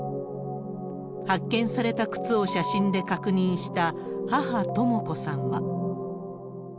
発見された靴を写真で確認した母、とも子さんは。